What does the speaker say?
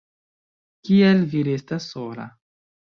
Kial vi restas sola?